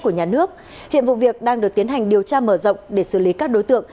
của nhà nước hiện vụ việc đang được tiến hành điều tra mở rộng để xử lý các đối tượng